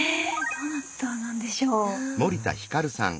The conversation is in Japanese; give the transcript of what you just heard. どなたなんでしょう。